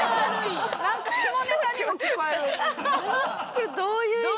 これどういう意味の？